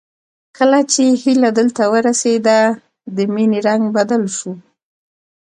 کله چې هيله دلته ورسېده د مينې رنګ بدل شو